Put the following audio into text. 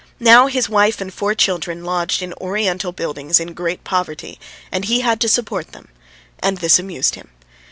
Now his wife and four children lodged in Oriental Buildings in great poverty, and he had to support them and this amused him.